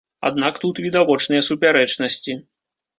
Аднак тут відавочныя супярэчнасці.